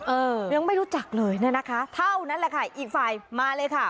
เออยังไม่รู้จักเลยนะคะเท่านั้นแหละค่ะอีกฝ่ายมาเลยค่ะ